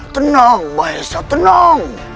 tenang mahesa tenang